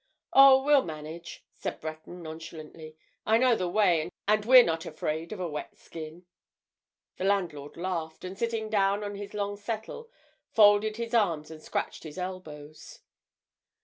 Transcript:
"Oh, we'll manage," said Breton, nonchalantly. "I know the way, and we're not afraid of a wet skin." The landlord laughed, and sitting down on his long settle folded his arms and scratched his elbows.